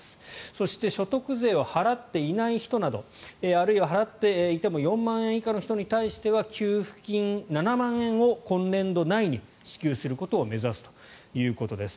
そして所得税を払っていない人などあるいは払っていても４万円以下の人に対しては給付金７万円を今年度内に支給することを目指すということです。